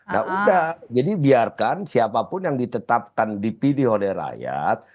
nah udah jadi biarkan siapapun yang ditetapkan dipilih oleh rakyat